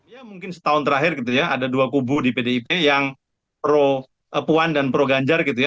ya mungkin setahun terakhir gitu ya ada dua kubu di pdip yang pro puan dan pro ganjar gitu ya